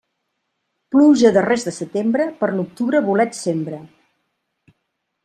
Pluja a darrers de setembre, per l'octubre bolets sembra.